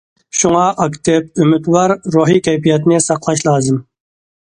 شۇڭا ئاكتىپ، ئۈمىدۋار روھىي كەيپىياتنى ساقلاش لازىم.